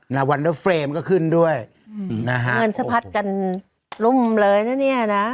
นาวันเดอร์เฟรมก็ขึ้นด้วยอืมนะฮะเงินสะพัดกันรุ่มเลยนะเนี่ยนะ